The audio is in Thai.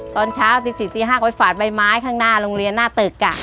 ตอนเช้าตี๔ตี๕ก็ไปฝาดใบไม้ข้างหน้าโรงเรียนหน้าตึก